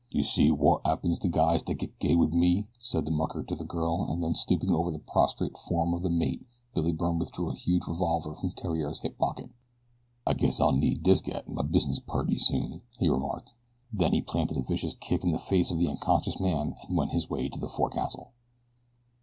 "Yeh see wot happens to guys dat get gay wit me?" said the mucker to the girl, and then stooping over the prostrate form of the mate Billy Byrne withdrew a huge revolver from Theriere's hip pocket. "I guess I'll need dis gat in my business purty soon," he remarked. Then he planted a vicious kick in the face of the unconscious man and went his way to the forecastle.